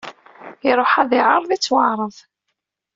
Iruḥ ad d-iɛreḍ ittwaɛreḍ.